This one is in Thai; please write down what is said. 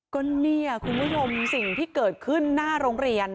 ก็เนี่ยคุณผู้ชมสิ่งที่เกิดขึ้นหน้าโรงเรียน